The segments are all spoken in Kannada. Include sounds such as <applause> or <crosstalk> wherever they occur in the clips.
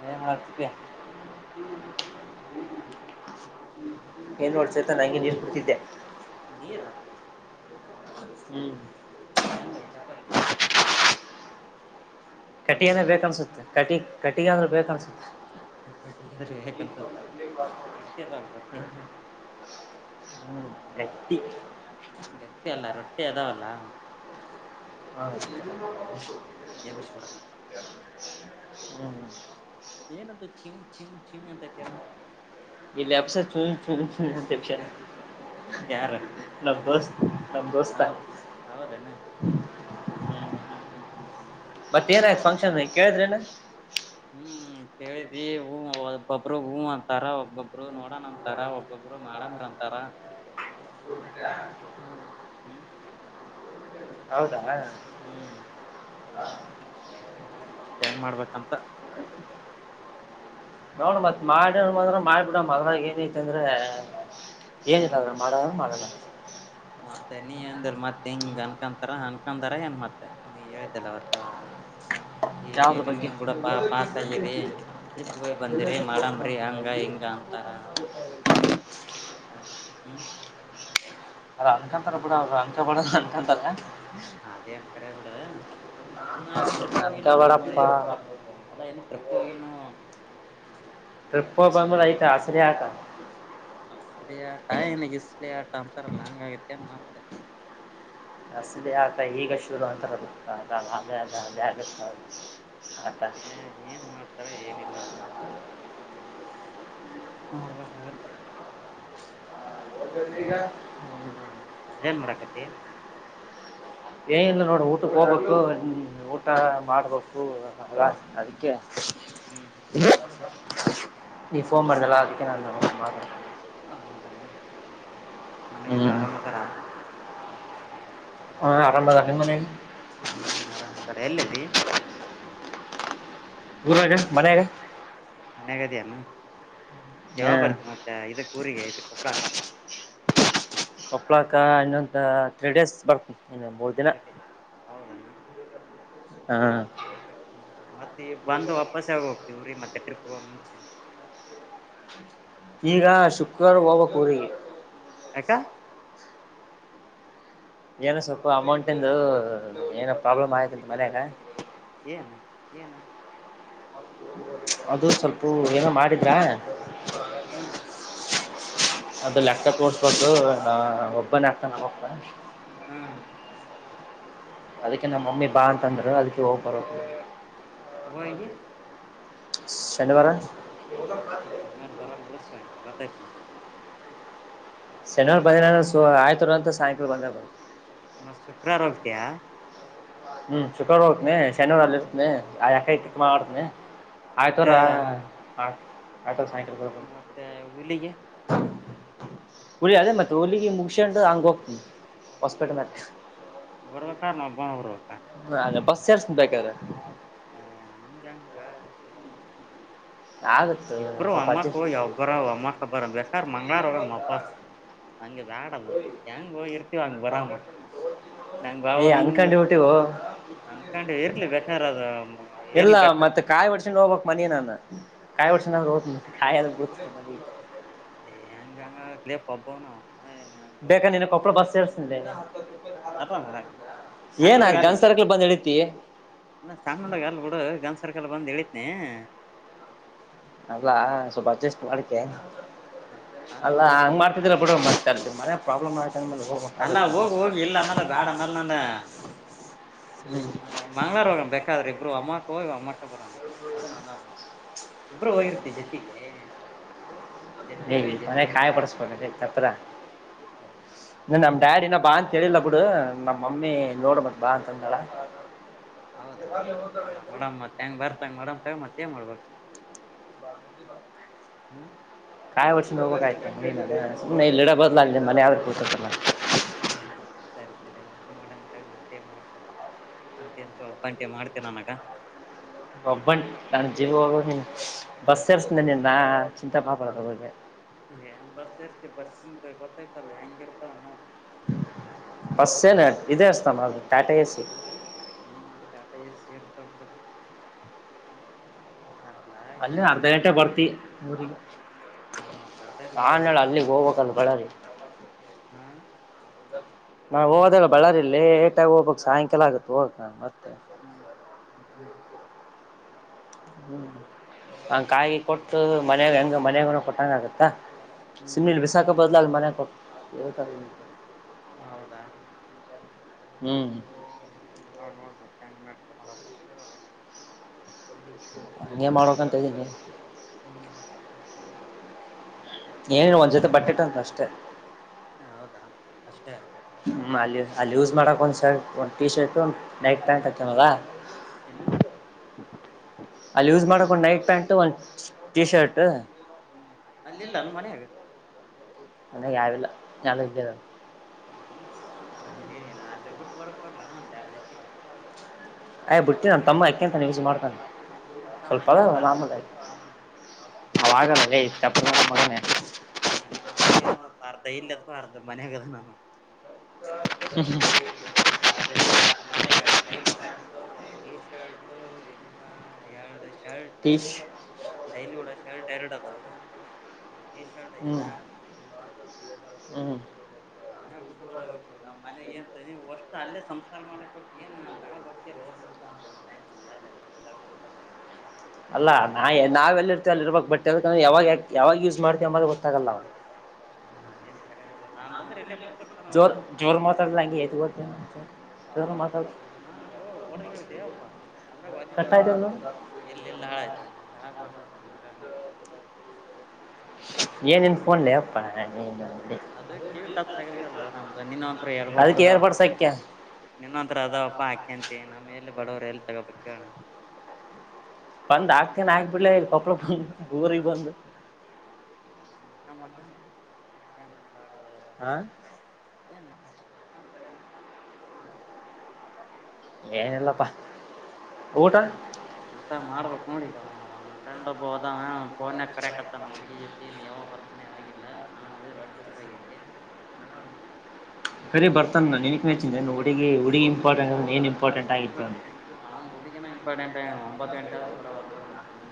ಅದೇ ಏನ್ ಮಾಡತಿ ಮಾಡತಿದಿಯ <unintelligible> ನೀರ ಹ್ಮ್ ಹೆಂಗ್ ಚಪಾತಿ ಕಟಿಗನ ಬೇಕ ಅನ್ಸುತ್ತ ಕಟಿ ಕಟ್ಟಿಗಿ ಅಂದ್ರ ಬೇಕ ಅನ್ಸುತ್ತ. ಕಟ್ಟಿದ್ರೆ ಹೇಗಂತತ್ತ ರೊಟ್ಟಿ ಅದಾವಲ್ಲ ರೊಟ್ಟಿ <unintelligible> ಹ್ಮ್ ನಟ್ಟಿ ಗಟ್ಟಿ ಅಲ್ಲ ರೊಟ್ಟಿ ಅದಾವಲ್ಲ <unintelligible> ಎಬಿಶಿ ಬಾ ಹ್ಮ್ ಏನತ್ತ ಚಿಂಗ ಚಿಂಗ ಚಿಂಗ ಅಂತತನ ಇಲ್ಲಿ ಆಫೀಸರ್ ಚು ಎಲೆಕ್ಷನ್ ಇನ್ಸ್ಪೆಕ್ಟರ್ ಯಾರು ನಭ್ಯಸ್ತ ನಭ್ಯಸ್ತಾ ಹೌದನ ಹ್ಮ ಹ ಹ್ ಹ್ ಹ್ ಮತ್ತ ಏನಾಯ್ತ ಫಂಕ್ಷನ್ ಕೇಳಿದ್ರೀಲ್ಲ ಹ್ಮ್ ಕೇಳಿದ್ವಿ ಹೂ ಒಬ್ಬೊಬ್ರ ಹೂ ಅಂತಾರ ಒಬ್ಬೊಬ್ರ ನೋಡೋಣ ಅಂತಾರ ಒಬ್ಬ ಒಬ್ಬೊಬ್ಬರ ಮಾಡಮ್ರ ಅಂತಾರ ಹ್ಮ್ <unintelligible> ಹೌದಾ ಹ್ಮ್ ಚೇಂಜ್ ಮಾಡ್ಬೇಕಂತ ನೋಡ ಮತ್ ಮಾಡುನು ಅಂದ್ರ ಮಾಡಿ ಬಿಡಮ ಅದ್ರಾಗ ಏನ ಐತೆ ಅಂದ್ರ ಏನಿಲ್ಲ ಹ್ಮ್ ಅದ್ರ ಮಾಡನ ಅಂದ್ರ ಮಾಡನ. ಮತ್ತೆ ನೀ ಎಂದಲ್ ಮತ್ ಹಿಂಗ್ ಅನ್ಕಂತಾರ ಅನ್ಕಂತಾರ ಏನ್ ಮತ್ತೆ ನೀ ಹೇಳಿದ್ದಿಲ್ಲ ಅವತ್ತ. ಈಗೆ ಯಾವ್ದ್ರ ನೀವ ಬಗ್ಗೆ ಎನ್ಬುಡ ಪ ಪಾಸ್ ಆಗಿರಿ. ಟ್ರಿಪ್ ಹೋಗ್ ಬಂದಿರಿ ಮಾಡಮ್ರರಿ ಹಂಗ ಹಿಂಗ ಅಂತಾರ. ಹಾ ಹ್ಮ ಅವ್ರ್ ಅನ್ಕಂತಾರ ಬಿಡು ಅವರು ಅನ್ಕಬೇಡ ಅಂದ್ರು ಅನ್ಕಂತಾರೆ. ಅದೇನ್ ಕರೆ ಬಿಡ ನಾವಿನ್ನು ಟ್ರಿಪ್ ಹೋಗಿಲ್ಲಲ್ಲೋ ಮಾರಾಯ <unintelligible> ಅನ್ಕೋಬೇಡಪ್ಪ ಅಲ್ಲ ಇನ್ನು ಟ್ರಿಪ್ ಹೋಗಿಲ್ ನಾವು. ಟ್ರಿಪ್ ಬಂದ್ರೆ ಅಯ್ತ ಅಸಲಿ ಆಟ. ಅಸಲಿ ಆಟ ಇನಗೆ ಇಸ್ಲಿ ಆಟ ಅಂತಾರಲ್ಲ ಹಂಗ್ ಆಗೈತಿನ್ ಮತ್ತೆ. ಅಸಲಿ ಆಟ ಈಗ ಶುರು ಅಂತಾರ ಹ್ಮ್ <unintelligible> ಏ ಏನ್ ಮಾಡ್ತಾರ ಏನಿಲ್ಲ ಅನು ಹ್ಮ ನೋಡ್ಬೇಕಾಗುತ್ತೆ. <inaudible> ಏನ್ ಮಾಡಾಕತಿ ಏನಿಲ್ ನೋಡು ಊಟಕ್ ಹೋಗ್ಬೇಕು ಹ್ಮ ಊಟ ಮಾಡ್ಬೇಕು. ಅಲ್ಲ ಅದಕ್ಕೆ ಹ್ಮ್ ನೀ ಫೋನ್ ಮಾಡ್ದಲ್ಲ ಅದ <unintelligible> ಹಾ <unintelligible> ಮನೆಗೆಲ್ಲ ಹ್ಮ್ ಆರಾಮದಾರ? ಹಾ ಆರಾಮದಾರ್ ನಿಮ್ ಮನೇಲಿ? ಹ್ಮ ಆರಾಮದಾರ್ ಎಲ್ಲೇದಿ? ಊರಾಗ ಮನೆಯಾಗ. ಮನ್ಯಾಗದಿಯೇನು ಯಾವ ಹ ಬರ್ತ್ ಮತ್ತೆ ಇದಕ್ ಊರಿಗೆ ಇದ ಕೊಪ್ಳಾಕ? ಕೊಪ್ಳಾಕ ಇನ್ನೊಂದು ತ್ರೀ ಡೇಸ್ ಬರ್ತಿನ್ <unintelligible> <unintelligible> ಹೌದಣ್ಣ. ಹಾ ಮತ್ ಈಗ್ ಬಂದು ವಾಪಸ್ ಯಾವಾಗ್ ಹೋಗ್ತೀ ಊರಿಗ್ ಮತ್ತೆ ಟ್ರಿಪ್ ಹೋಗ ಮುಂಚೆ? <inaudible> ಈಗ ಶುಕ್ರರಾ ಹೋಗ್ಬೇಕು ಊರಿಗೆ. ಅಕ್ಕಾ ಏನ ಸ್ವಲ್ಪ ಅಮೌಂಟಿಂದು ಏನೋ ಪ್ರಾಬ್ಲಮ್ ಆಯತಂತ್ ಮನ್ಯಾಗ. ಏನು ಏನು? ಅದು ಸ್ವಲ್ಪ ಏನೋ ಮಾಡಿದ್ರಾ ಹ್ಮ ಅದು ಲ್ಯಾಪ್ಟಾಪ್ <unintelligible> ಹ್ಮ ಅದಕ್ಕೆ ನಮ್ಮಮ್ಮಿ ಬಾ ಅಂತಂದ್ರು ಅದಕ್ಕೆ ಹೋಗ್ ಬರದು. ಹೋಗಿ ಶನಿವಾರ ಶನಿವಾರ ಬರಲ್ <unintelligible> ಬರ್ತೈತ್ <unintelligible> ಶನಿವಾರ ಬಂದಿಲ್ಲ ಅಂದ್ರೆ ಸೊ <unintelligible> ಅಂತ ಸಾಯಂಕಾಲ ಬಂದೆ ಮತ್ ಶುಕ್ರವಾರ ಹೋಗ್ತಯಾ <unintelligible> ಹ್ಮ ಶುಕ್ರಾರ ಹೋಗ್ತನೆ ಶನಿವಾರ ಅಲ್ಲಿ ಇರ್ತನಿ ಆ <unintelligible> ಮಾಡತನಿ. ಆಯ್ತೋ ಮತ್ತೆ ರಾ <unintelligible> ಸಾಯಂಕಾಲ ಮತ್ತೆ ಹುಲಿಗೆ ಹುಲಿ ಅಲ್ಲೆ ಮತ್ತೆ ಹುಲಿಗೆ ಮುಗ್ಶಿಷ್ಯಂಡು ಹಂಗ್ ಹೋಗ್ತನಿ ಹೊಸಪೇಟೆ ಮ್ಯಾಲೆ. ಬರ್ಬೇಕಾರ ನೊಬ್ಬ ಬರ್ಬೇಕ <unintelligible> ಏ ಹಂಗೆಂಗ? ಆಗುತ್ತೋ ಇಬ್ರು ಸ್ವಲ್ಪ ಒಮ್ಮಕ್ ಅಡ್ಜಸ್ಟ್ ಹೋಗಿ ಒಬ್ಬರ ಒಮ್ಮಕ್ ಬರ ಬೇಕಾರ ಮಂಗ್ಗಳಾರ ಹೋಗಮ್ಮ ವಾಪಸ್ ಹಂಗೆ ಬ್ಯಾಡ ಅದು ಹೆಂಗ್ ಹೋಗಿರ್ತಿವ ಹಂಗ್ ಬರಾಮ <unintelligible> ಅನ್ಕೊಂಡೆ <unintelligible> ಅನ್ಕೊಂಡೆ ಇರ್ಲಿ ಬಕಾರ್ ಅದ ಇಲ್ಲ ಇರ್ಲಿ ಬಟರ್ ಮತ್ತೆ ಕಾಯಿ ಒಡರ್ಸಿನ ಹೋಗ್ಬೇಕ್ ಮನಿ ನಾನ ಕಾಯಿ ವಡಿಸಿಕೊಂಡ ಹೋಗ್ತಿನಾ ಕಾಯಿ ಮನಿ ಏ ಹೆಂಗಂಗ ಪಪ್ ಣ ಬೇಕಾ ನೀನ ಕೊಪ್ಪಳ ಬರ್ಸಿನಿ ಅದ ಸಣ್ಣ ಏನ ಅ ಗಜ್ ಸರ್ಕಲ್ ಬಂದ್ ಇಳಿತಿ ನಾ ಸಣ್ಣ ಹುಡುಗ ಅಲ್ ಬಿಡು ಗಂಜ ಸರ್ಕಲ್ ಬಂದ್ ಇಳಿತೀನಿ ಅಲ್ಲಾ ಸ್ವಲ್ಪ ಅಜೇಸ್ಟ ಮಾಡಕ್ಕೆ ಅಲ್ ಅಲ್ಲಾ ನೋಡು ಹಂಗ ಮಾಡ ಬಿಡತ ಮನೆ ಪ್ರಾಬ್ಲಮ್ ಆಯತ ಅಲ್ಲಾ ಹೋಗಿ ಹೋಗಿ ಇಲ್ಲ ಅನ್ನಲ್ಲ ಬ್ಯಾಡ ಅನ್ನಲ್ಲ ನಾನ <unintelligible> ಮಂಗಳವಾರ ಹೋಗ ಬೇಕಾದ್ರೆ ಇಬ್ಬರು ವಮ್ಮಕ್ಕ ಹೋಗಿ ವಮ್ಮಕ ಬರೋ ಅದು ನನ್ನ ಇಬ್ರು ಹೋಗಿರ್ತಿ ಜೊತಿಗೆ ಏ ಜೊತೆಗಿನ ಮನೆ ಜೋತಿಗೀನ ಕಾಯಿ ಬರ್ ತಪ್ಪದ ಹಾ ನಮ್ ಬ್ಯಾಡಿನ ಬಾಂತ ಹೇಳಿಲ್ಲ ಬಿಡು ನಮ್ಮ ಮಮ್ಮಿ ನೋಡ್ ಬಾ ಅಂತಂದಾಳ ಹೌದಾ ಮಾಡಮ್ ಮಾಡುಮ್ ಮತ್ ಹೆಂಗ್ ಬರ್ತಂಗ ಮಾಡ ತೊ ಮತ್ತ ಮಾಡ್ಬೇಕ ಹುಂ ಕಾಯ ಒಡಿಸಿಕೋಂಡ ಹೋಗಬೇಕಾಯಿತ್ ಸುಮ್ಮನೆ ಇಲ್ಲಿ ಇಡೋ ಬದಲ ಅಲ್ಲಿ ಮನೆ ಯ್ರತಲ್ಲಾ ಸರಿ ಸರಿ ಅಷ್ಟ ಮಾಡಂತ ಮತ್ತೆ ಮಾಡ್ಬೇಕಪ್ಪ ಅಂತೆ ಅಂತ ಒಬ್ಬ ಅಂತೆ ಮಾಡ್ತೀ ನನಗ ಒಬ್ಬಣಿ ನಾನು ಜೀವ ಹೋಗ ನೀ ಬಸ್ ಸೇರ್ಸ ನೀನ್ ಚಿಂತೆ ಮಾಡಬೆಡಾಗೆ ಏನ್ ಬಸ್ ಇರ್ತಿ ಬಸಿದ್ ಗೊತ್ತೈತಲ್ಲಾ ಹೆಂಗ ಇರ್ತಾವ ನೋಡ ಬಸ್ ಏನ್ ಇದೆೇ ಅತ ಟಾಟಾ ಎ ಸಿ ಹ್ ಟಾಟಾ ಎಸಿ ಇರ್ತಾವ ಬಿಡು <unintelligible> ಅಲ್ಲಿ ಎನ್ ಅರ್ಧ ಗಂಟೆ ಬರ್ತಿ ಊರಿಗೆ ಅಲ್ಲ ಬರ್ತೈತಿ ಬಿಡು ಅಲ್ಲಿಗೆ ಹೋಗ್ಬೇಕಲ್ಲ ಬಳ್ಳಾರಿ ಹಾ. ನಾ ಹೋದಲ್ಲ ಬಳ್ಳಾರಿ ಅಲ್ಲಿ ಲೇಟಾಗಿ ಹೋಗ್ಬೇಕ್ ಸಾಯಂಕಾಲ ಆಗುತ್ತ ಹೋಗಕ ಮತ್ತ ಹುಂ ಹುಂ ಹಂಗ ಕಾಯಿ ಕೊಟ್ಟು ಮನೆಯಾಗ ಹೆಂಗ ಮನೆಯಾಗ ಕೊಟ್ಟಂಗ ಆಗತ್ತಾ ಹ್ಮ್ ಸಿಮನಿಲ್ಲಿ ಬಿಶಾಖ ಬದಲ ಮನಾಗ <unintelligible> ಹೌದಾ ಹ್ಞೂ ನೋಡ ನೋಡ ಮತ್ ಹೆಂಗ ಮಾಡರ್ತ ನೋಡಪ್ಪ ಹಂಗೆ ಮಾಡಬೇಕಂತ ಇದ್ದೀನಿ ಹುಂ ಏನ ಒಂದ್ ಜೊತೆ ಬಟ್ಟೆ ತಗೊಂಡೆ ಅಷ್ಟೆ ಹಾ ಹೌದಾ ಅಷ್ಟೇ ಹುಂ ಅಲ್ಲಿ ಅಲ್ಲಿ ಯೂಸ್ ಮಾಡಕ್ ಒಂದ್ ಶರ್ಟ್ ಒಂದ ಟಿ ಶರ್ಟ್ ನೈಟ್ ಪ್ಯಾಂಟ್ ಇರ್ತವಲ್ಲಾ ಏನು ಅಲ್ಲಿ ಯೂಸ್ ಮಾಡೋಕ್ಕೆ ಒಂದು ನೈಟ್ ಪ್ಯಾಂಟು ಒಂದು ಟಿ ಶರ್ಟ್ ಹ್ಮ್ ಅಲ್ಲಿಲ್ಲ ಅಲ್ ಮನ್ಯಾಗ ಅ ಯಾವಿಲ್ಲ <unintelligible> ಹುಂ ಅದಲ್ಲಿ ಏನು ಅ ಬುಟ್ಟು ಬರಕ್ ಬರ್ಲ ನ ಅಂತ ಎಡು ಜೊತೆಗೆ ಆಯ್ ಬಿಟ್ಟೆ ನಾನ ತಮ್ಮ ಆಕೆಂತಾನ ಯೂಸ್ ಮಾಡ್ತಾನೆ ಹ್ಮ ಟೌನ್ ಸ್ವಲ್ಪ ಅದಾವ್ ಹಾಕಂದ್ರ ಆತ ನಾರ್ಮಲ್ ಆಗಿ ಅವಾಗಲ್ಲ ಲೇ ಚಪ್ಪರ್ ನನ್ ಮಗನೇ ನಾನ್ ಹಂಗ ಇಲ್ ನೋಡೋ ಅರ್ಧಾ ಇಲ್ಲಿ ಅದಾವ ಅರ್ಧಾ ಮನೆಯಾಗ ಅದಾವ ನನು ಹುಂ ಹುಂ ಅಲ್ ರೇಡಿ ಮನೆಗೆ ಎರಡ ನೈಟ್ ಪ್ಯಾಂಟ್ ಒಂದ್ ಟೀ ಶರ್ಟ್ ಇನ್ನು ಎರಡ ಶರ್ಟ್ ಟೀಶ್ ಡೈಲಿ ಉಡ ಶರ್ಟ್ ಎರಡು ಅದವು ಹ್ಮ್ ಹ್ಮ್ ಮನೆ ಬುಟ್ಟು ಬರ ಮನೆಗೇನ್ ತನೀವು ವಷ್ಟು ಅಲ್ಲೇ ಸಂಸಾರ ಮಾಡಕೊಟ್ಟಿ ಏನ್ ತಗೊಂಡ್ ಹೋಗ್ತೀನ್ <unintelligible> ಅಂದ್ರ ಒಂದ್ ಟೈಮ್ ಮ್ಯಾಲೆ <unintelligible> ಅಲ್ಲ ನಾ ನಾವೆಲ್ಲಿರ್ತವ ಅಲ್ಲಿ ಇರಬೇಕ್ ಬಟ್ ಯದಕಂದ್ರ ಯಾವಾಗ ಯ ಯಾವಾಗ ಯೂಸ್ ಮಾಡ್ತೀವಿ ಅಂಬದೆ ಗೊತ್ತಾಗಲ್ಲ. ಹ್ಮ ಅದೇನ್ ಕರೆ ಬಿಡ ನ ಅಂದಂದ್ರ ಎಲ್ಲೇ ಪುಟ್ಟ ಜೋರ್ ಜೋರ್ ಮಾತಾಡಲ್ಲ ಹಂಗೆ <unintelligible> ಜೋರು ಮಾತಾಡು. ನಾಲ್ಕು ಬೋಡಗ ಹೇಳಿದ್ದೇವಪ್ಪಾ ಅದ್ರಾಗ ವದಿ ಕಟ್ಟಾಯ್ತಲ್ಲ ಎಲ್ಲ ಇಲ್ಲಾಳಾ ಇದು ಕೆಳಗ ಬರ್ತದ ನಮಗ. ಏನಿನ್ ಫೋನ್ಲೇ ಅಪ್ಪಾ ನೀನು. ಅದ ಕಿವಿ ಟಚ್ ಆಗತ್ತಲ್ಲೋ ನಮ್ದು ನೀನ್ನ ಒಂತ್ರ ಯೇರ್ ಬರ್ಸ್ ಅದಕ್ಕೆ ಅದವ. ಏರ್ಬಡ್ಸ್ ಹಾಕ್ಯ ನಿನ್ವಂತ್ರ ಅದಾವಪ್ಪ ಆಕೆಂತ ನಮ್ ಎಲ್ಲಿ ಬಡವರು ಎಲ್ಲಿ ತಗೋಬೇಕು ಹೇಳ್ ನಾವು. ಬಂದ್ ಆಗ್ಕ್ತೇನ ಆಗ್ಬಿಡ್ಲೆ ಇಲ್ಲಿ ಕೊಪ್ಪಳಕ ಬಂದ್ ಊರಿಗ್ ಬಂದು. ಮ ಮಕ <unintelligible> ಹಾ ಏನ್ ಏನಲ್ಲಪ್ಪಾ ಊಟ. ಊಟ ಮಾಡ್ಬೇಕ್ ನೋಡಿಗ ಅವಾ ನಮ್ಮ ಫ್ರೆಂಡ್ ಒಬ್ಬವ ಅದಾನ ಪೋನ್ಯಾಕ್ಕರೆಕತಾನ ಹುಡಿಗೀ ಜತೀ ಇನ್ನೆವಾಗ ಬರ್ತಾನ ಯವಾಗಿಲ್ಲ ನಾನು ನೋಡಿದ್ರೆ ವಟ್ಟೆ ಹಸವಾಗೈತಿ. ಕರಿ ಬರ್ತಾನ ನಿನಕ್ಚ್ಚೆನ್ದನು ಹುಡುಗಿ ಹುಡುಗಿ ಇಂಪಾರ್ಟೆಂಟ್ ಅ ಮೇನ್ ಇಂಪಾರ್ಟೆಂಟ್ ಆಗಿತ್ತು. ಅಂವ್ಗ ಹುಡುಗನ ಇಂಪಾರ್ಟೆಂಟ್ ಒಂಬತ್ತು ಗಂಟೆ ಆದ್ರು ಬರವಲ್ಲ ನೋಡ್ ಮತ್ತಿನ್ನ.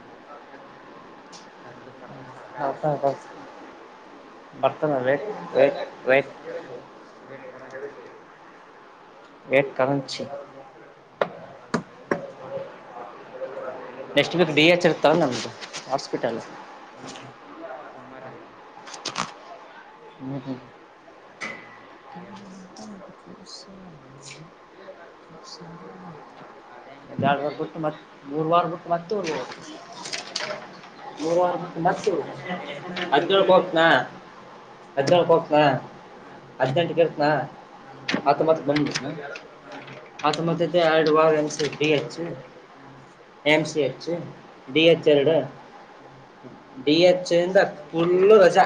ಕರದು ಕರದು ಸಾಕ <unintelligible> ಬರ್ತನ ವೇಟ್ ವೇಟ್ ವೇಟ್. ವೇಟ್ ಕರಂಜಿ ವೇಟ್ ಕಮಂಚಿ ಚಾರ್ಪಾಂಚ್ ನೆಕ್ಸ್ಟ್ ವೀಕ್ ಡಿ ಎಚ್ ಇರ್ತಲ ನಮ್ದು ಹಾಸ್ಪಿಟಲ್. ಹ್ಞೂ ಸೋಮಾರಿಂದ. <unintelligible> ಅದ ಒಂದ ಹೆಂಗಿರುತ್ತ ಎರಡು ವಾರ ಬಿಟ್ಟು ಮತ್ತ ಮೂರ್ವಾರ ಬಿಟ್ಟು ಮತ್ತೆ ಹೊಡಿಬೇಕು. ಯಾಕ ಎಷ್ಟನೇ ಎಷ್ಟನೇ ತಾರೀಕು ಹೋಗಿ ಕೇಳಿ ಅದ್ನೇಳು ನೀನು ಕೊಟ್ನಾ ಹ್ಮ್ ಹದ್ನೇಳ್ಕ ಹೋಗತನಾ ಹ್ಮ್ ಹದ್ನೆಂಟ್ಕಿರತ್ನಾ ಹತ್ತೊಂಬತ್ತಕ ಬಂದಬುಡ್ತ್ನ. ಹಾಂ ಅತ್ತೊಂಬತ್ ಅಯ್ತ ಆಡ್ ವಾಗ <unintelligible> ಹ್ಞ A M C H D H ಎರಡು. ಹ್ಮ್ ಡಿ ಹೆಚ್ ಇಂದ ಫುಲ್ಲು ರಜಾ.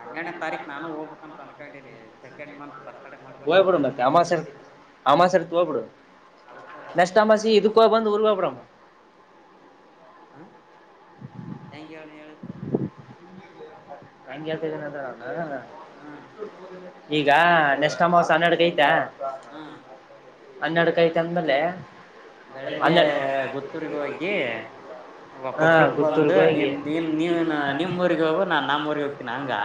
ಹನ್ನೇಡ್ನೇ ತಾರೀಕು ನಾನು ಹೋಗ್ಬೇಕ ಅಂತ ಅನ್ಕೊಂಡಿನಿ ಸೆಕೆಂಡ್ ಮಂತ್ ಬರ್ತ ಹೋಗ್ಬಿಡು ಮತ್ತೆ ಅಮಾಸಿರ್ತ್ ಅಮಾಸಿರತ್ತ ಹೋಗ್ಬಿಡು ಅದಕ್ಕ ನೆಕ್ಸ್ಟ್ ಅಮಾಸಿ ಇದು ಕೊ ಬಂದು ಉರ್ವೋಬರಮು. ಹಾ ಹೆಂಗ ಹೇಳ ನೀ ಹೇಳದು. ಹಂಗೆ ಹಳ್ತದಿನಂದ್ರ ನಾನು. ಹ ಈಗ ನೆಷ್ಟ್ ಅಮಾವಸಿ ಅನ್ನಡಗೆ ಅಯ್ತಾ. ಹ ಹನ್ನಡುಕೈತ ಅಂದ್ಮೇಲೆ ಬೆಳಿಗ್ಗೆ ಗುತ್ತೂರ್ರಿಗೆ ಹೋಗಿ ಒ ಹಾ ಕೂಪ್ಳಕ್ ಬಂದ ಗುತ್ತೂರ್ಗೆ ನಿ ಹೋಗಿ ನೀನ್ ನೀನೆನ ನಿಮ್ ಊರಿಗ್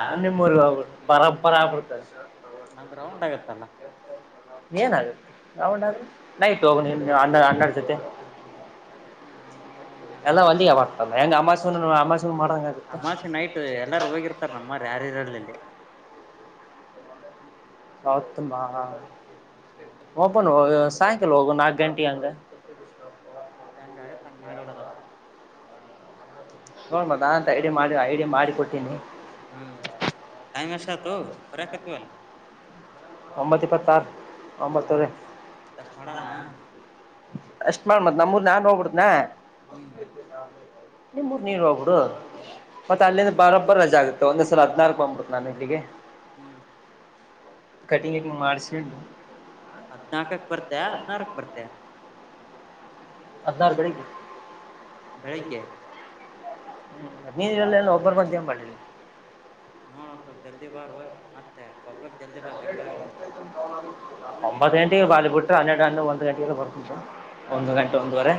ಹನ್ನಿ ಮೂರು ಆ ಪರ ಪರ ಆಗ್ಬಡ್ತದೆ. ನಂದ್ ರೌಂಡ್ ಆಗತ್ತಲ್ಲ. ಏನಾಗುತ್ತೆ ನ ನೈಟ್ ಹೋಗು ನೀ ಅಣ್ಣ ಅಣರ್ ಜೊತೆ. ಮಾಡಿದ್ರ ಎಲ್ಲ ವಂದಿಯ ಮಾಡತ ಹೆಂಗ ಅಮಾಸೆ ಅಮಾಸೆ ಮಾಡ್ದಂಗ್ ಆಗುತ್ತ. ಅಮಾವಾಸ್ಯೆ ನೈಟ್ ಎಲ್ಲಾರು ಹೋಗಿರ್ತಾರೆ ನಮ್ರ್ ಯಾರು ಇರಲ್ಲ ಅಲ್ಲಿ. ಹೌತ್ತಮ್ಮ ಓಪನ್ ಹೇಗು ಸಾಯಂಕಾಲ ಹೋಗೊ ನಾಲ್ಕ ಗಂಟಿ ಹಂಗ. ಹೆಂಗ್ ಆಗುತ್ತೆ ಹಂಗ್ ಮಾಡ್ಬಿಡ ದಪ್ಪ. ನೋಡು ಮತ್ತೆ ಅ ಅಂತ ಐಡಿಯ ಮಾಡಿ ಐಡಿಯಾ ಮಾಡಿ ಕೊಟ್ಟೀನಿ. ಹ್ಮ್ ಟೈೆಮ್ ಎಷ್ಟತ್ ಬರಕತಿವಲ್ಲ. ಒಂಬತ್ ಇಪತ್ ಸಾಕ್ ಹ್ಮ್ ಒಂಬತ್ತದೆ. ಅಷ್ಟ್ ಮಾಡಣ ಅಷ್ಟ್ ಮಾಡ್ ಮತ್ ನಮೂರ್ ನಾನ್ ಹೋಗ್ಬಿಡ್ತಿನ. ಹ್ಮ್ ನಿಮ್ಮರು ನೀರ್ ಹೋಗಬಿಡು ಮತ್ತೆ ಅಷ್ಟ್ ಮಾಡ ಅಲ್ಲಿಂದ ಬಾರ ಒ ರಜ ಆಗುತ್ತೆ ಒಂದ್ಸಲ ಹದ್ನಾರುಕ್ ಬಂದ್ಬುಡತು ನಾನ್ ಇಲ್ಲಿಗೆ. ಹ್ಮ್ ಕಟಿಂಗ್ ಗಿಟಿಂಗ್ ಮಾಡ್ಸಿ. ಹದನಾಲ್ಕಕ್ ಬರ್ತೆ ಹದ್ನಾರಕ್ ಬರ್ತೆ. ಅದ್ನಾರ್ ಬೆಳಗ್ಗೆ. ಬೆಳಿಗ್ಗೆ ನೀರಿಲ್ಲ ಒಬ್ಬರ ಮಧ್ಯ್ ಮಾಡಿಲ್ಲ. ನೋಡ ಸ್ವಲ್ಪ ಜಲ್ದಿ ಬಾರ ಮತ್ತೆ ಕೊಪ್ಪಳಕ್ ಜಲ್ದಿ ಬಾ ಬೇಕರನ ಒಂಬತ್ತು ಗಂಟೆಗೆ ಬಾಲಿ ಬಿಟ್ರೆ ಹನ್ನೆರಡು ಹನ್ನ ಒಂದು ಗಂಟೆಗೆಲ್ಲ ಬರ್ತು ಒಂದು ಗಂಟೆ ಒಂದುವರೆ.